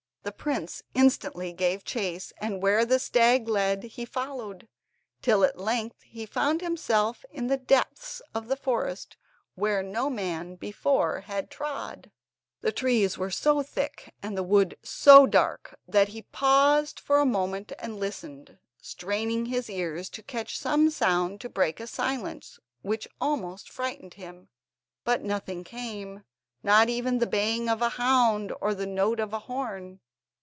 The prince instantly gave chase, and where the stag led he followed, till at length he found himself in the depths of the forest, where no man before had trod. The trees were so thick and the wood so dark, that he paused for a moment and listened, straining his ears to catch some sound to break a silence which almost frightened him. But nothing came, not even the baying of a hound or the note of a horn.